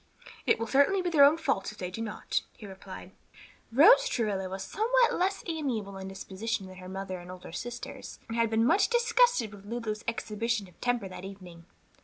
"It will certainly be their own fault if they do not," he replied. Rose Travilla was somewhat less amiable in disposition than her mother and older sisters, and had been much disgusted with Lulu's exhibition of temper that evening.